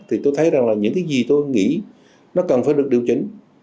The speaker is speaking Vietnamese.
thì tôi thấy rằng là những cái gì tôi nghĩ nó cần phải được điều chỉnh